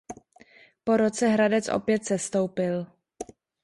Po roce Hradec opět sestoupil.